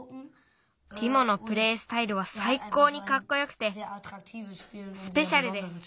ティモのプレースタイルはさいこうにかっこよくてスペシャルです。